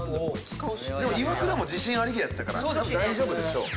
でもイワクラも自信ありげやったから大丈夫でしょう。